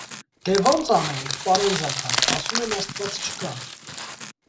- Դե ո՞նց անենք, պարոն Զաքար, ասում են աստված չկա: